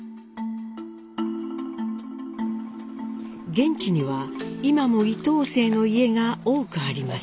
現地には今も伊藤姓の家が多くあります。